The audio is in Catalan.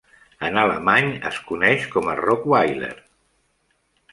En alemany es coneix com a "Rokwiler".